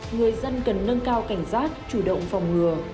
người dân cần nâng cao cảnh giác chủ động phòng ngừa